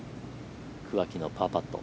桑木のパーパット。